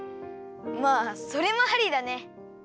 まあそれもありだね。